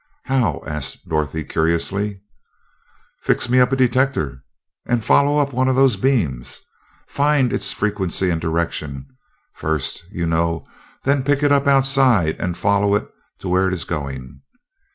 "How?" asked Dorothy, curiously. "Fix me up a detector and follow up one of those beams. Find its frequency and direction, first, you know, then pick it up outside and follow it to where it's going.